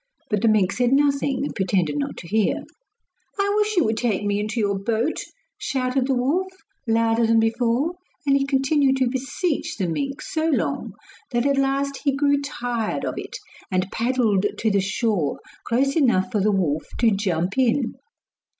But the mink said nothing and pretended not to hear. 'I wish you would take me into your boat!' shouted the wolf, louder than before, and he continued to beseech the mink so long that at last he grew tired of it, and paddled to the shore close enough for the wolf to jump in.